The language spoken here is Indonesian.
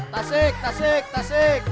tasik tasik tasik